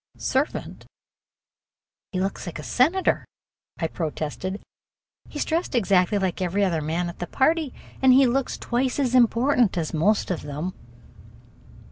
"Servant! He looks like a senator," I protested. "He's dressed exactly like every other man at the party and he looks twice as important as most of them."